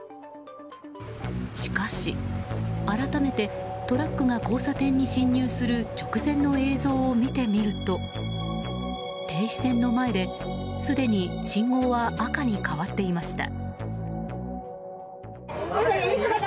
しかし、改めてトラックが交差点に進入する直前の映像を見てみると停止線の前ですでに信号は赤に変わっていました。